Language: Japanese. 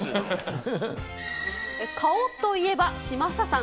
顔といえば、嶋佐さん。